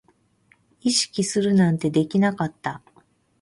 意識するなんてできなかった